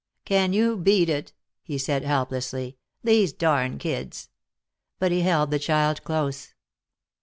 "Can you beat it?" he said helplessly, "these darn kids !" But he held the child close.